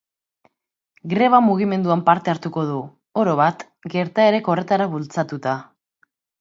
Greba mugimenduan parte hartuko du, orobat, gertaerek horretara bultzatuta.